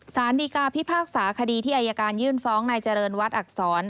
สารดีกาพิพากษาคดีที่อายการยื่นฟ้องนายเจริญวัดอักษร